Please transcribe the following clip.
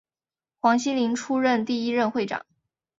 黄锡麟出任第一任会长。